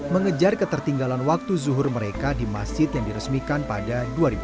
mengejar ketertinggalan waktu zuhur mereka di masjid yang diresmikan pada dua ribu empat belas